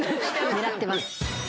狙ってます。